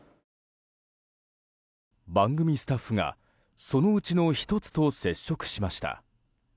番組スタッフがそのうちの１つと接触しました。